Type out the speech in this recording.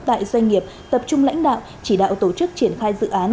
tại doanh nghiệp tập trung lãnh đạo chỉ đạo tổ chức triển khai dự án